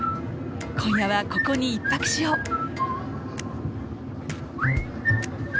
今夜はここに１泊しよう。